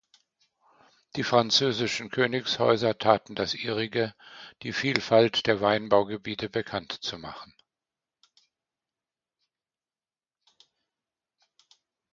Die französischen Königshäuser taten das Ihrige, die Vielfalt der Weinbaugebiete bekannt zu machen.